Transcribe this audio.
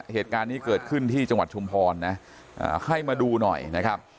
เหตุการณ์นี้เกิดขึ้นที่จังหวัดชุมพรนะให้มาดูหน่อยนะครับ